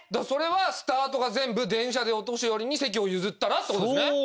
それはスタートが全部電車でお年寄りに席を譲ったらって事ですね。